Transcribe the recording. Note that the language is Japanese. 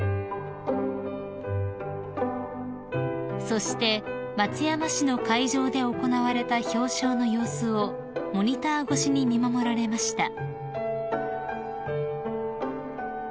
［そして松山市の会場で行われた表彰の様子をモニター越しに見守られました］